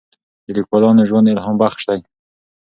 د لیکوالانو ژوند الهام بخش دی.